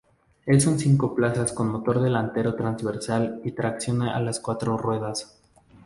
Es un cinco plazas con motor delantero transversal y tracción a las cuatro ruedas.